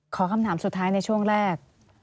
คำถามสุดท้ายในช่วงแรก